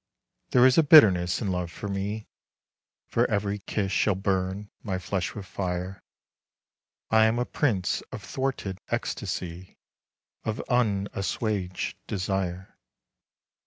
There is a bitterness in love for me, For every kiss shall burn my flesh with fire, I am a prince of thwarted ecstasy, Of unassuaged desire.